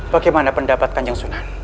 bagaimana pendapat kanjeng sunan